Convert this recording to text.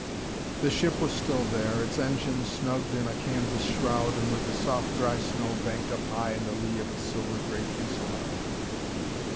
The ship was still there, its engine snugged in a canvas shroud and with the soft, dry snow banked up high in the lee of its silver gray fuselage.